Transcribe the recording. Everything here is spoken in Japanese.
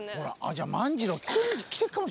じゃあ万次郎来てっかも。